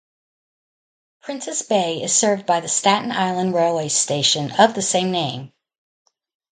Prince's Bay is served by the Staten Island Railway station of the same name.